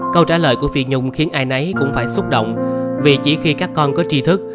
câu trả lời của phi nhung khiến ai nấy cũng phải xúc động vì chỉ khi các con có tri thức